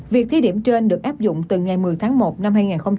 việc thí điểm trên được áp dụng từ ngày một mươi tháng một năm hai nghìn hai mươi ba